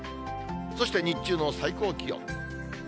そして、日中の最高気温。